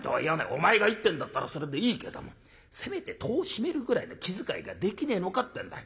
お前がいいってんだったらそれでいいけどもせめて戸を閉めるぐらいの気遣いができねえのかってんだよ。